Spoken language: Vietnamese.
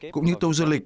cũng như tù du lịch